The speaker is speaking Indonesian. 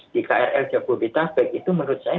di krl jabodetabek itu menurut saya